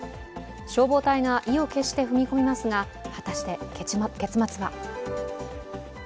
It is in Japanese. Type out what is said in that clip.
消防隊が意を決して踏み込みますが、果たして結末は。